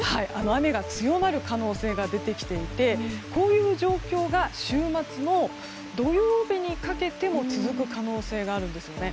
雨が強まる可能性が出てきていてこういう状況が週末の土曜日にかけても続く可能性があるんですね。